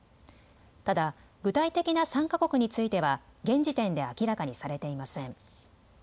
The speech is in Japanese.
ただ具体的な参加国については現時点で明らかにされていません。